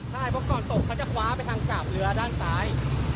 ใช่เพราะก่อนตกเขาจะคว้าไปทางกาบเรือด้านซ้าย